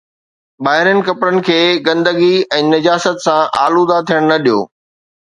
ٻاهرين ڪپڙن کي گندگي ۽ نجاست سان آلوده ٿيڻ نه ڏيو